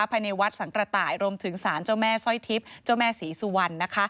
ภายในวัดสังกระต่ายรวมถึงสารเจ้าแม่สร้อยทิพย์เจ้าแม่ศรีสุวรรณนะคะ